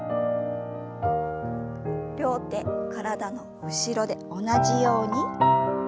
両手体の後ろで同じように。